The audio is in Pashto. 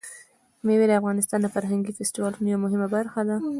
مېوې د افغانستان د فرهنګي فستیوالونو یوه مهمه برخه ده.